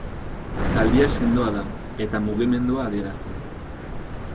Zaldia sendoa da eta mugimendua adierazten du.